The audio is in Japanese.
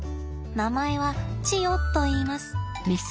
名前はチヨといいます。